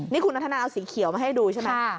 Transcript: นี่คุณนัทนาเอาสีเขียวมาให้ดูใช่ไหม